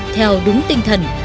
theo đúng tinh thần